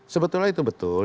sebetulnya itu betul